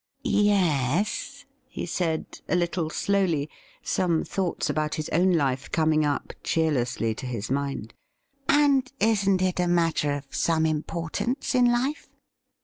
' Yes,' he said, a little slowly, some thoughts about his own life coming up cheerlessly to his mind ;' and isn't it a matter of some importance in life